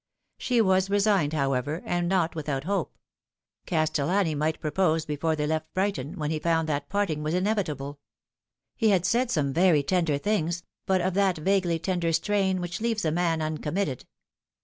She was resigned, however, and not without hope. Castel lani might propose before they left Brighton, when he found that parting was inevitable. He had said some very tender things, but of that vaguely tender strain which leaves a man uncommitted.